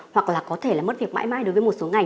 hoặc là có thể là mất việc mãi mãi đối với một số ngành